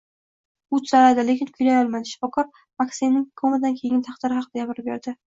“U tuzaladi, lekin kuylay olmaydi”. Shifokor MakSimning komadan keyingi taqdiri haqida gapirib berdi